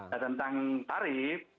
dan tentang tarif